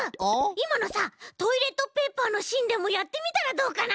いまのさトイレットペーパーのしんでもやってみたらどうかな？